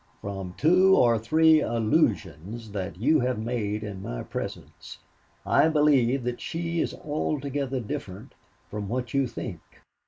From two or three allusions that you have made in my presence, I believe that she is altogether different from what you think.